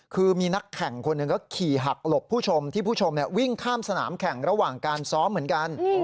คือมีนักแข่งคนหนึ่งก็ขี่หักหลบผู้ชมที่ผู้ชมวิ่งข้ามสนามแข่งระหว่างการซ้อมเหมือนกัน